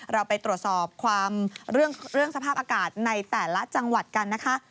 เราไปตรวจสอบความเรื่องสภาพอากาศในแต่ละจังหวัดกันนะคะ